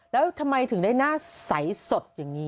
แล้วทำไมถึงได้หน้าใสสดอย่างนี้